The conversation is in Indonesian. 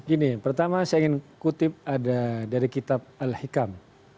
ini pertama saya ingin kutip ada dari kitab al hikam